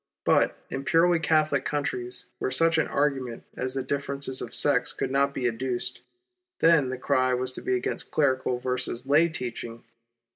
But in purely Catholic countries, where such an argument as the differences of sects could not be adduced, then the cry was to be against clerical versus lay teaching.